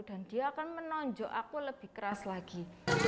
dan dia akan menonjok aku lebih keras lagi